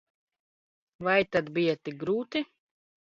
Vai tad bija tik grūti?